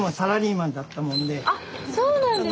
あっそうなんですね。